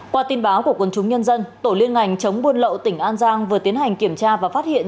qua tin báo của quân chúng nhân dân tổ liên ngành chống buôn lậu tỉnh an giang vừa tiến hành kiểm tra và phát hiện